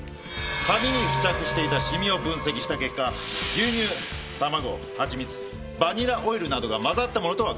紙に付着していたシミを分析した結果牛乳卵はちみつバニラオイルなどが混ざったものとわかりました。